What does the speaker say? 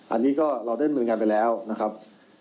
อันนี้ก็เราได้ดำเนินการไปแล้วนะครับ